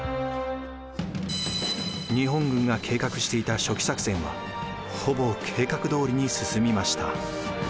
日本軍が計画していた初期作戦はほぼ計画どおりに進みました。